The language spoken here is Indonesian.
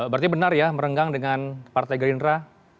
berarti benar ya merenggang dengan partai gerindra